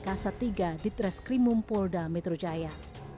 kasat tiga di treskrimum polda metro jaya